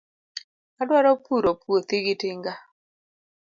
Adwaro puro puothi gi tinga.